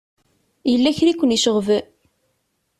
Yella kra i ken-iceɣben?